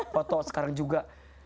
foto sekarang juga